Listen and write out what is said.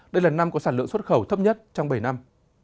đây là năm có sản lượng xuất khẩu thấp nhất trong bảy năm